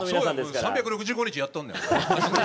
３６５日、やっとんねん！